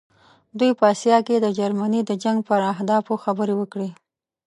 دوی په آسیا کې د جرمني د جنګ پر اهدافو خبرې وکړې.